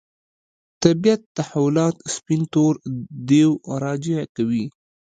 طبیعت تحولات سپین تور دېو راجع کوي.